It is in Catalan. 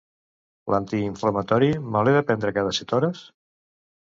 L'antiinflamatori, me l'he de prendre cada set hores?